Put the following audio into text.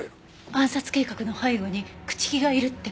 暗殺計画の背後に朽木がいるって事？